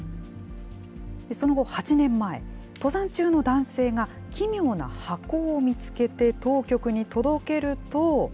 その後、８年前、登山中の男性が奇妙な箱を見つけて当局に届けると。